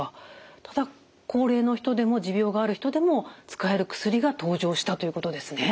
ただ高齢の人でも持病がある人でも使える薬が登場したということですね。